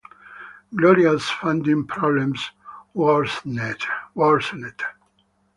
Gloria's funding problems worsened.